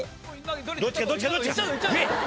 どっちかどっちかどっちか！